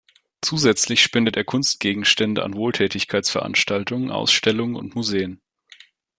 Zusätzlich spendet er Kunstgegenstände an Wohltätigkeitsveranstaltungen, Ausstellungen und Museen.